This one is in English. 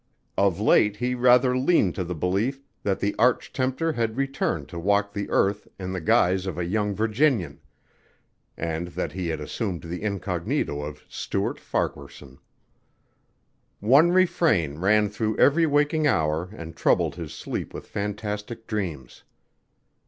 Of late he rather leaned to the belief that the Arch tempter had returned to walk the earth in the guise of a young Virginian and that he had assumed the incognito of Stuart Farquaharson. One refrain ran through every waking hour and troubled his sleep with fantastic dreams.